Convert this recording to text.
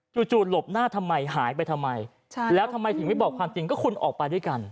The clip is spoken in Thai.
จู่หลบหน้าทำไมหายไปทำไมแล้วทำไมถึงไม่บอกความจริงก็คุณออกไปด้วยกัน